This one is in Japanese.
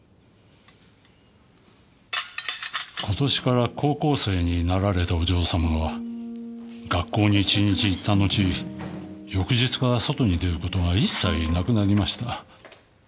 今年から高校生になられたお嬢様は学校に１日行ったのち翌日から外に出ることが一切なくなりました。